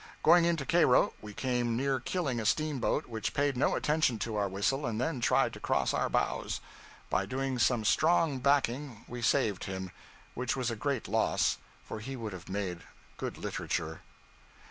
Going into Cairo, we came near killing a steamboat which paid no attention to our whistle and then tried to cross our bows. By doing some strong backing, we saved him; which was a great loss, for he would have made good literature.